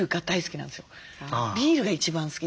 ビールが一番好き。